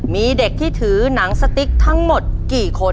มีเด็กที่ถือหนังสติ๊กทั้งหมดกี่คน